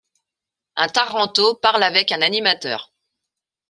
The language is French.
Un tarento parle avec un animateur.